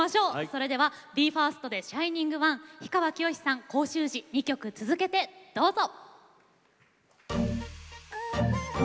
それではＢＥ：ＦＩＲＳＴで「ＳｈｉｎｉｎｇＯｎｅ」氷川きよしさん「甲州路」２曲続けてどうぞ。